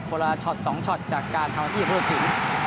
มีแต่โดลาช็อตสองช็อตจากการทำวันที่บุษิศิย์